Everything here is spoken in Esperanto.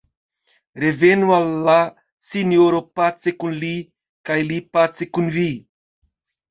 Revenu al la Sinjoro pace kun Li, kaj Li pace kun vi.